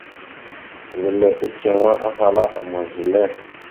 Mbile iceŋ ma, ahala: « Ama zile? ».